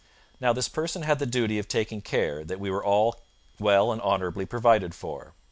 Now, this person had the duty of taking care that we were all well and honourably provided for.